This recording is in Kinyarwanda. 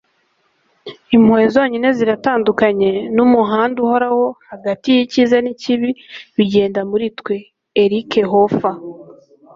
impuhwe zonyine ziratandukanye n'umuhanda uhoraho hagati y'icyiza n'ikibi bigenda muri twe. - eric hoffer